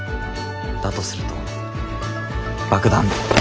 だとすると爆弾。